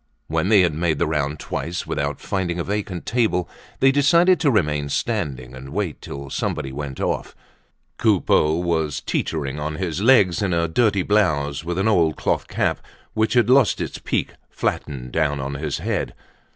When they had made the round twice without finding a vacant table, they decided to remain standing and wait till somebody went off. Coupeau was teetering on his legs, in a dirty blouse, with an old cloth cap which had lost its peak flattened down on his head.